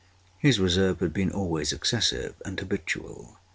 His reserve had been always excessive and habitual.